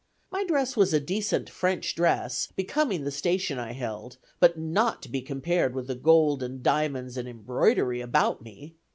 My dress was a decent French dress, becoming the station I held, but not to be compared with the gold, and diamonds, and embroidery, about me.